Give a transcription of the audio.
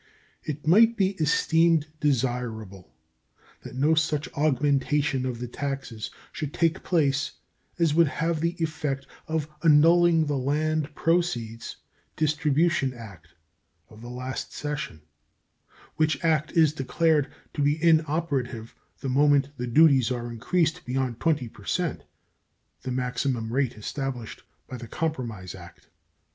It might be esteemed desirable that no such augmentation of the taxes should take place as would have the effect of annulling the land proceeds distribution act of the last session, which act is declared to be inoperative the moment the duties are increased beyond 20 per cent, the maximum rate established by the compromise act.